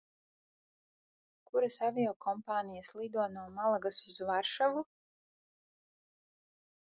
Kuras aviokompānijas lido no Malagas uz Varšavu?